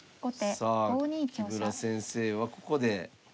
さあ木村先生はここで。